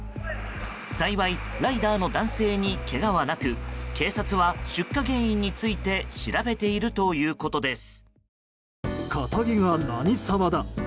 幸いライダーの男性にけがはなく警察は出火原因について調べているということです。